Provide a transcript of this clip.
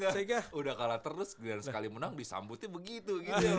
sudah kalah terus dan sekali menang disambutnya begitu